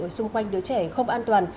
ở xung quanh đứa trẻ không an toàn